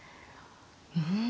うん。